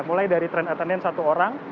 mulai dari train attendant satu orang